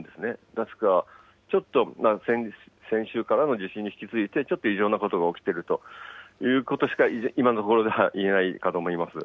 ですからちょっと先週からの地震に引き続いて、ちょっと異常なことが起きているということしか、今のところでは言えないかと思い